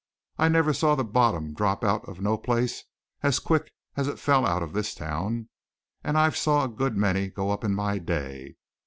I never saw the bottom drop out of no place as quick as it's fell out of this town, and I've saw a good many go up in my day.